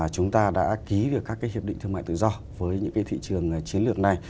chúng ta đã ký được các cái hiệp định thương mại tự do với những cái thị trường chiến lược này